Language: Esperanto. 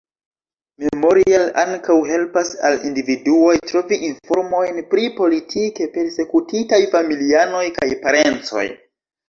Memorial ankaŭ helpas al individuoj trovi informojn pri politike persekutitaj familianoj kaj parencoj.